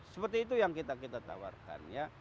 seperti itu yang kita tawarkan ya